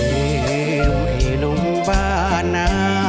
เกลียวให้ลุงบ้านนะ